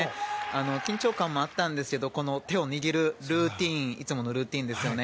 緊張感もあったんですが手を握るいつものルーティンですよね。